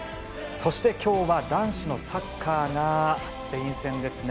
そして今日は男子サッカースペイン戦ですね。